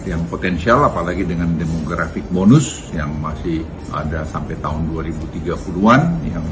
yang potensial apalagi dengan demografik bonus yang masih ada sampai tahun dua ribu tiga puluh an